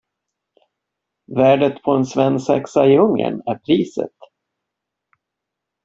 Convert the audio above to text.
Värdet på en svensexa i Ungern är priset!